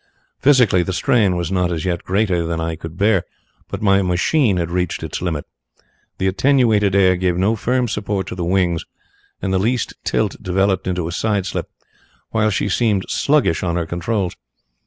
Physically, the strain was not as yet greater than I could bear but my machine had reached its limit. The attenuated air gave no firm support to the wings, and the least tilt developed into side slip, while she seemed sluggish on her controls.